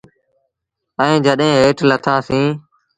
ائيٚݩ جڏيݩ هيٺ لٿآ سيٚݩ۔